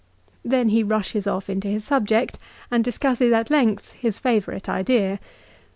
Then he rushes off into his subject, and discusses at length his favourite idea.